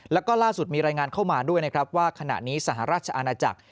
แล้วก็ล่าสุดมีรายงานเข้ามาด้วยนะครับว่าขณะนี้สหราชอาณาจักร